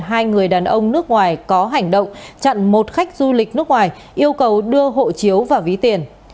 hai người đàn ông nước ngoài có hành động chặn một khách du lịch nước ngoài yêu cầu đưa hộ chiếu và ví tiền